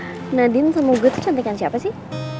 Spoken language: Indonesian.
emangnya nadine sama gue tuh cantikan siapa sih